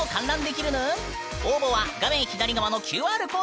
応募は画面左側のＱＲコードからアクセス！